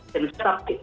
dan di setiap